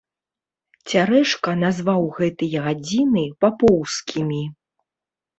Цярэшка назваў гэтыя гадзіны папоўскімі.